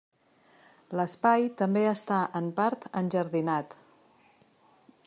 L'espai també està en part enjardinat.